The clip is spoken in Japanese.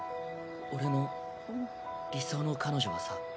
俺の理想の彼女はさ。